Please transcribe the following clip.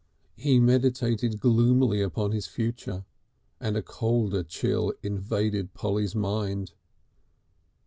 He meditated gloomily upon his future and a colder chill invaded Polly's mind.